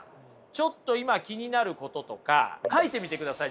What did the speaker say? ちょっと今気になることとか書いみてください